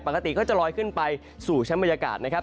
ปกติก็จะลอยขึ้นไปสู่ชั้นบรรยากาศนะครับ